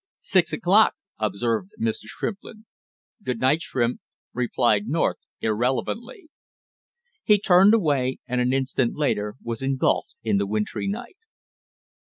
"Six o'clock," observed Mr. Shrimplin. "Good night, Shrimp," replied North irrelevantly. He turned away and an instant later was engulfed in the wintry night.